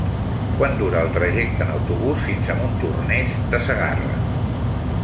Quant dura el trajecte en autobús fins a Montornès de Segarra?